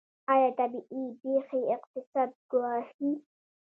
آیا طبیعي پیښې اقتصاد ګواښي؟